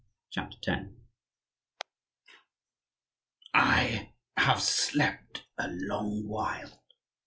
CHAPTER X "I have slept a long while!"